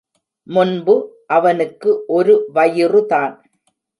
முன்பு அவனுக்கு ஒரு வயிறுதான்.